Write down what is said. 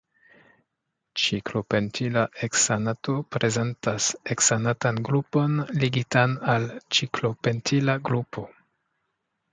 Ciklopentila heksanato prezentas heksanatan grupon ligitan al ciklopentila grupo.